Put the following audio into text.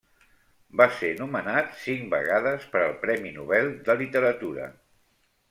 Va ser nomenat cinc vegades per al Premi Nobel de Literatura.